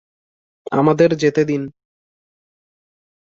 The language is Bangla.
আমাদের যেতে দিন!